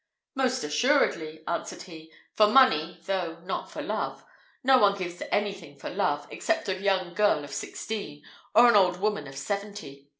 "Most assuredly," answered he, "for money, though not for love. No one gives any thing for love, except a young girl of sixteen, or an old woman of seventy.